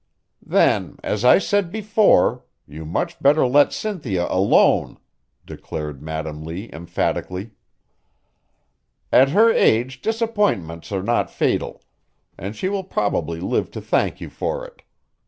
"Then, as I said before, you much better let Cynthia alone," declared Madam Lee emphatically. "At her age disappointments are not fatal, and she will probably live to thank you for it.